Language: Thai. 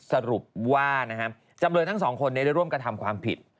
สรุปว่าจำเลยทั้งสองคนได้ร่วมกระทำความผิด